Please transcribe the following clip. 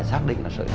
bà vượng nói với bà